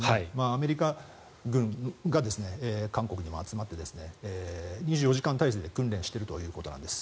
アメリカ軍が韓国にも集まって２４時間態勢で訓練しているということなんです。